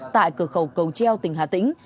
tại cửa khẩu cầu treo tỉnh hà tĩnh